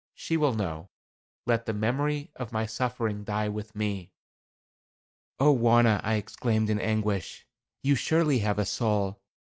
She will know. Let the memory of my suffering die with me." "Oh, Wauna," I exclaimed, in anguish, "you surely have a soul.